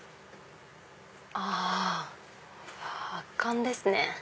あ圧巻ですね。